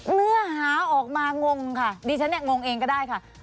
เนื้อหาออกมางงค่ะดิฉันเนี่ยงงเองก็ได้ค่ะ